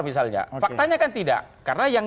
misalnya faktanya kan tidak karena yang